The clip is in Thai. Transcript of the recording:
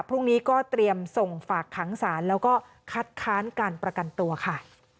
พรุ่งนี้ก็เตรียมส่งฝากขังศาลแล้วก็คัดค้านการประกันตัวค่ะ